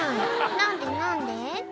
「何で何で？」